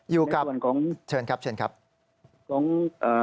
อยู่กับผมเชิญครับเชิญครับของเอ่อ